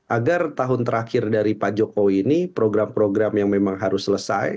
agar tahun terakhir dari pak jokowi ini program program yang memang harus selesai